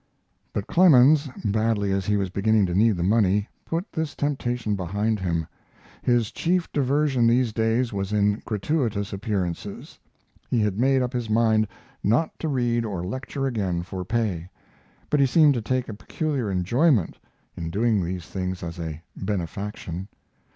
But Clemens, badly as he was beginning to need the money, put this temptation behind him. His chief diversion these days was in gratuitous appearances. He had made up his mind not to read or lecture again for pay, but he seemed to take a peculiar enjoyment in doing these things as a benefaction.